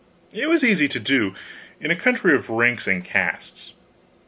It was easy to do in a country of ranks and castes.